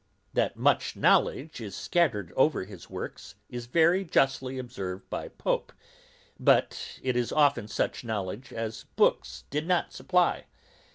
That much knowledge is scattered over his works is very justly observed by Pope, but it is often such knowledge as books did not supply.